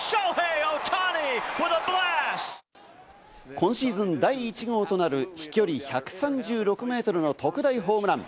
今シーズン第１号となる、飛距離１３６メートルの特大ホームラン。